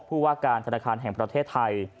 ผู้ว่าการธนาคารแห่งประเทศไทย